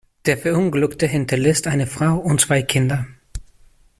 Der Verunglückte hinterlässt eine Frau und zwei Kinder.